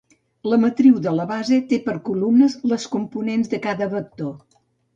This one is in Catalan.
La matriu de la base té per columnes les components de cada vector.